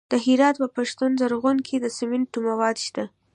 د هرات په پشتون زرغون کې د سمنټو مواد شته.